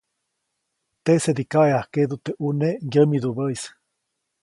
Teʼsedi kaʼeʼajkeʼdu teʼ ʼune ŋgyämidubäʼis.